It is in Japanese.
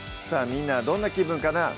みんなはどんな気分かなぁ